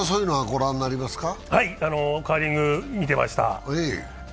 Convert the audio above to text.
カーリング見てました。